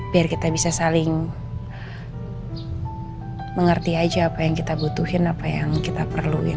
biar kita bisa saling mengerti aja apa yang kita butuhin apa yang kita perluin